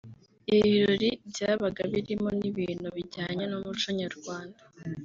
Ibi birori byabaga birimo n’ibintu bijyanye n’umuco Nyarwanda